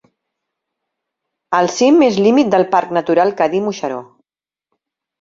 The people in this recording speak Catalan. El cim és límit del parc natural Cadí-Moixeró.